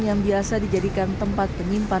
yang biasa dijadikan tempat untuk kebakaran